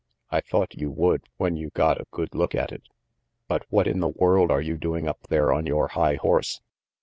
"I thought you would, when you got a good look at it. But what in the world are you doing up there on your high horse?